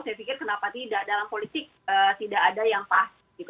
saya pikir kenapa tidak dalam politik tidak ada yang pasti